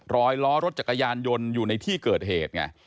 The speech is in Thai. ล้อรถจักรยานยนต์อยู่ในที่เกิดเหตุไง